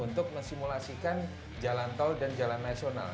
untuk meng simulasikan jalan tol dan jalan nasional